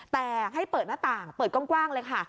แต่ให้เปิดหน้าต่างเปิดกว้างเลยค่ะ